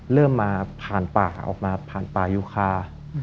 เริ่มมาผ่านป่าออกมาผ่านป่ายูคา